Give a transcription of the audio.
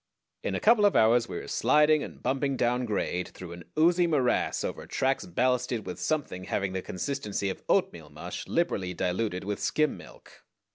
In a couple of hours we were sliding and bumping down grade through an oozy morass over tracks ballasted with something having the consistency of oatmeal mush liberally diluted with skim milk.